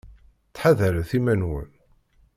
Ttḥadaret iman-nwen.